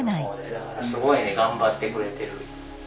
だからすごいね頑張ってくれてる。